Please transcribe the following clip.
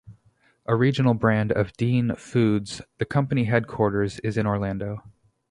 A regional brand of Dean Foods, the company headquarters is in Orlando.